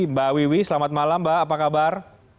mbak wiwi selamat malam mbak apa kabar